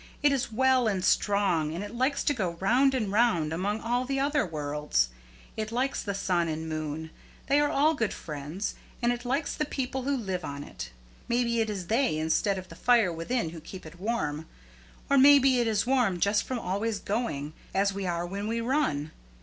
"It is well and strong, and it likes to go round and round among all the other worlds. It likes the sun and moon; they are all good friends; and it likes the people who live on it. Maybe it is they instead of the fire within who keep it warm; or maybe it is warm just from always going, as we are when we run.